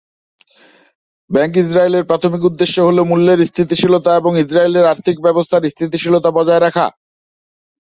Bank ইসরায়েলের প্রাথমিক উদ্দেশ্য হল মূল্যের স্থিতিশীলতা এবং ইসরায়েলের আর্থিক ব্যবস্থার স্থিতিশীলতা বজায় রাখা।